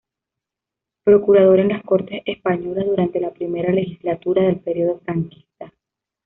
Procurador en las Cortes Españolas durante la primera legislatura del período franquista.